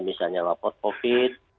misalnya laporan covid itu rid ib bpni patelki